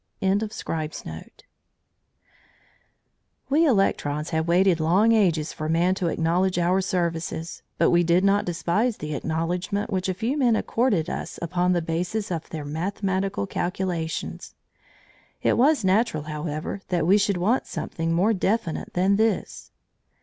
CHAPTER XVI HOW MAN PROVED OUR EXISTENCE We electrons had waited long ages for man to acknowledge our services, but we did not despise the acknowledgment which a few men accorded us upon the basis of their mathematical calculations. It was natural, however, that we should want something more definite than this.